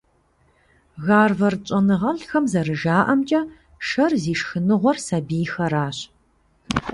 Гарвард щӀэныгъэлӀхэм зэрыжаӀэмкӀэ, шэр зи шхыныгъуэр сабийхэращ.